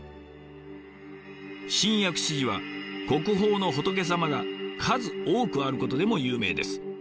新薬師寺は国宝の仏様が数多くあることでも有名です。